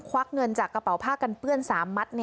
วักเงินจากกระเป๋าผ้ากันเปื้อน๓มัด